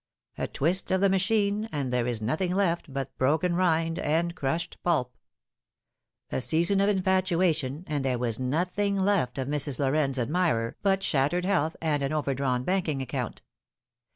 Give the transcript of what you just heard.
A twist of the machine, and there is nothing left but broken rind and crushed pulp. A season of infatuation, and there was nothing left of Mrs. Lorraine's admirer but shattered health and an overdrawn banking account.